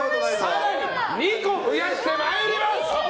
更に２個増やしてまいります！